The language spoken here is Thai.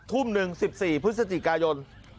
ทุ่มหนึ่ง๑๔พฤศจิกายน